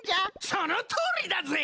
そのとおりだぜ！